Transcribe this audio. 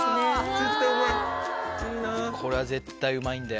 これは絶対うまいんだよ。